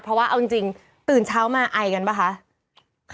เพราะว่าเอาจริงตื่นเช้ามาไอกันป่ะคะ